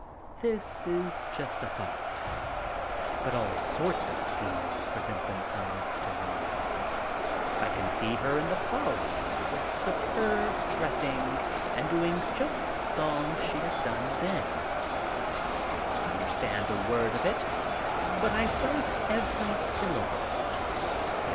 This is just a thought, but all sorts of schemes present themselves to me. I can see her in "The Follies" with superb dressing and doing just the song she had done then. I did not under stand a word of it, but I felt every syllable.